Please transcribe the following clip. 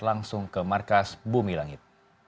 langsung ke markas bumi langit